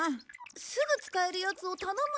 すぐ使えるやつを頼むよ。